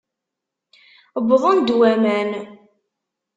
Wwḍen-d waman.